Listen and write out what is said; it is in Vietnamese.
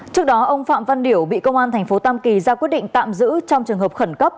trước đó ông phạm văn điểu bị công an tp tam kỳ ra quyết định tạm giữ trong trường hợp khẩn cấp